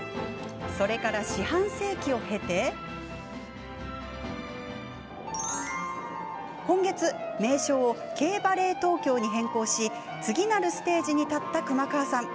それから、四半世紀を経て今月、名称をＫバレエトウキョウに変更し次なるステージに立った熊川さん。